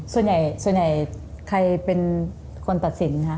ส่วนใหญ่ใครเป็นคนตัดสินคะ